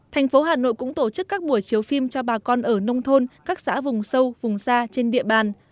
thành phố hà nội cũng tổ chức các buổi chiếu phim cho bà con ở nông thôn các xã vùng sâu vùng xa trên địa bàn